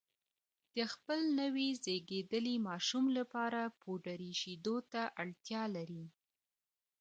د خپل نوي زېږېدلي ماشوم لپاره پوډري شیدو ته اړتیا لري